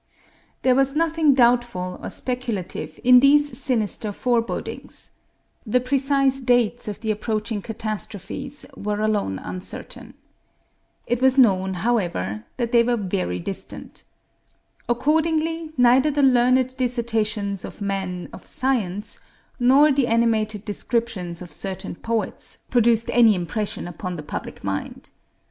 There was nothing doubtful or speculative in these sinister forebodings. The precise dates of the approaching catastrophes were alone uncertain. It was known, however, that they were very distant. Accordingly, neither the learned dissertations of men of science nor the animated descriptions of certain poets produced any impression upon the public mind.